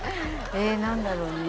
え何だろうね？